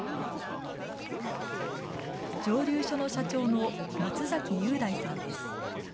蒸留所の社長の松崎裕大さんです。